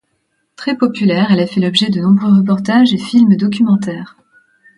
Très populaire, elle a fait l'objet de nombreux reportages et films documentaires.